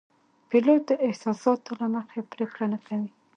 پیلوټ د احساساتو له مخې پرېکړه نه کوي.